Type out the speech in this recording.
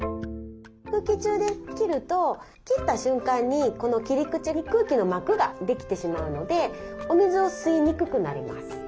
空気中で切ると切った瞬間に切り口に空気の膜ができてしまうのでお水を吸いにくくなります。